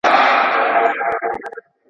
زه مړۍ خوړلي ده!؟